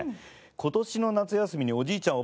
今年の夏休みにおじいちゃん